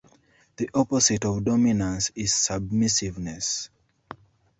The opposite of dominance is submissiveness.